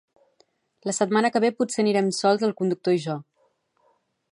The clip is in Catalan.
La setmana que ve potser anirem sols el conductor i jo